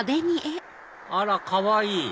あらかわいい！